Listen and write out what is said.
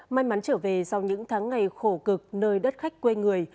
may mắn trở về sau những tháng ngày khổ cực nơi đất khách quê người